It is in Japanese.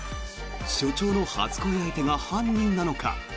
署長の初恋相手が犯人なのか？